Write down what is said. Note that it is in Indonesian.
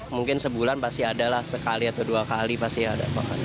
mungkin sebulan pasti ada lah sekali atau dua kali pasti ada